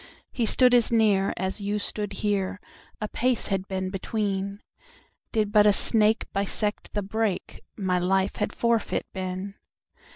He stood as near, as stood you here,A pace had been between—Did but a snake bisect the brake, My life had forfeit been.